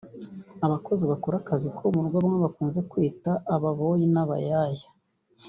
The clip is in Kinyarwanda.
Abakozi bakora akazi ko mu rugo bamwe bakunze kwita ababoyi n’abayaya